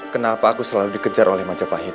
kenapa aku selalu dikejar oleh majapahit